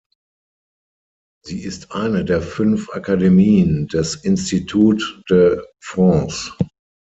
Sie ist eine der fünf Akademien des Institut de France.